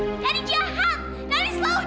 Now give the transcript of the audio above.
daddy gak pernah baik mas terus menangis